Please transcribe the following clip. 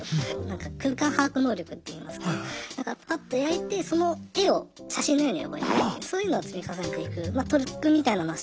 なんか空間把握能力っていいますかパッと焼いてその絵を写真のように覚えていってそういうのを積み重ねていく特訓みたいなのはしてたので。